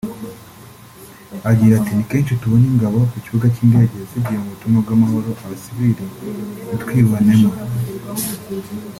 Agira ati “Ni kenshi tubona ingabo ku kibuga cy’indege zigiye mu butumwa bw’amahoro abasiviri ntitwibonemo